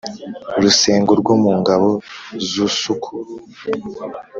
rusengo rwo mu ngabo z’usuku